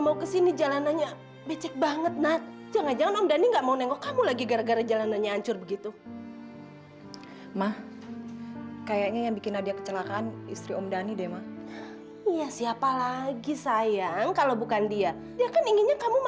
udah dari sebulan yang lalu bang